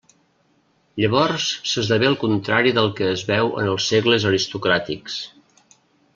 Llavors s'esdevé el contrari del que es veu en els segles aristocràtics.